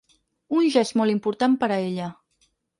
Un gest molt important per a ella.